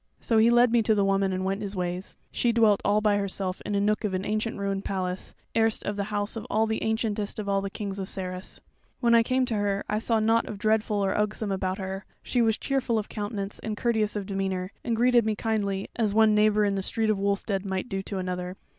So he led me to the woman and went his ways. She dwelt all by herself in a nook of an ancient ruined palace, erst the house of the ancientest of all the kings of Sarras. When I came to her, I saw nought dreadful or ugsome about her: she was cheerful of countenance and courteous of demeanour, and greeted me kindly as one neighbour in the street of Wulstead might do to another.